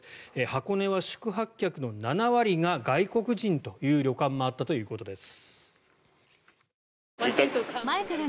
箱根は宿泊客の７割が外国人という旅館もあったということです。